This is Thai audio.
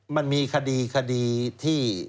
มันมีคดีที่